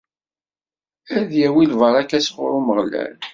Ad yawi lbaṛaka sɣur Umeɣlal.